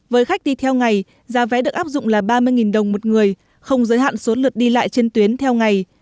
với khách đi theo ngày giá vé được áp dụng là ba mươi đồng một người không giới hạn số lượt đi lại trên tuyến theo ngày